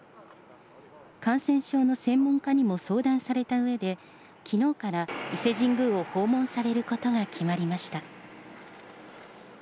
感染症の専門家にも相談されたうえで、きのうから伊勢神宮を訪問されることが決まりました。